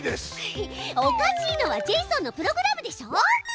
おかしいのはジェイソンのプログラムでしょ。